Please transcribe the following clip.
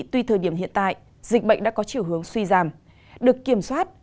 tuy thời điểm hiện tại dịch bệnh đã có chiều hướng suy giảm được kiểm soát